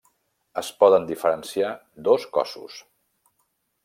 Es poden diferenciar dos cossos.